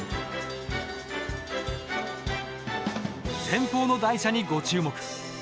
前方の台車にご注目。